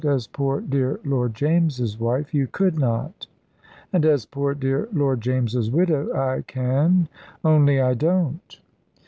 As poor dear Lord James's wife you could not." "And as poor dear Lord James's widow, I can, only I don't."